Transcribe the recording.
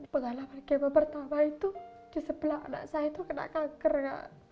pengalaman kemo pertama itu di sebelah anak saya itu kena kanker kak